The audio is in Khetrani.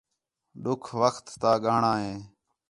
ݙُکھ وخت تا ڳاہݨاں ہے